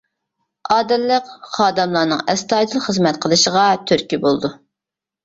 ئادىللىق خادىملارنىڭ ئەستايىدىل خىزمەت قىلىشىغا تۈرتكە بولىدۇ.